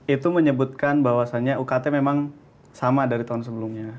itu menyebutkan bahwasannya ukt memang sama dari tahun sebelumnya